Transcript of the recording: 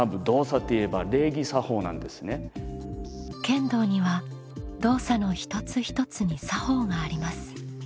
剣道には動作の一つ一つに作法があります。